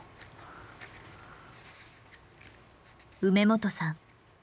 梅元さん